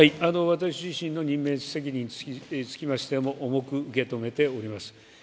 私自身の任命責任につきましても重く受け止めております。